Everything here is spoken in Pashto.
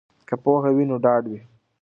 که پوهه وي نو ډاډ وي.